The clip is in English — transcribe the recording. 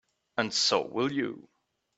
And so will you.